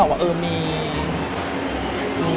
ขอบคุณครับ